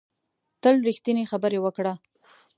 تل ریښتینې خبرې وکړه